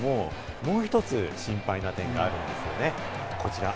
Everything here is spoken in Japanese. もう一つ心配な点があるんですよね、こちら。